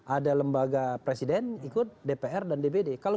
ada lembaga presiden ikut dpr dan dpd